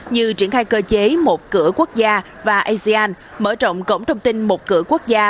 như triển khai cơ chế một cửa quốc gia và asean mở rộng cổng thông tin một cửa quốc gia